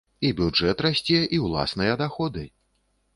І бюджэт расце, і ўласныя даходы!